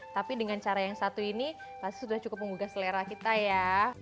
tapi dengan cara yang satu ini pasti sudah cukup menggugah selera kita ya